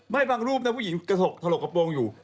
ไม่บางรูปผู้หญิงกระสกถลกกระโปรงอยู่